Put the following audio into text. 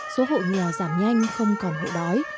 số hộ nghèo giảm nhanh không còn hộ đói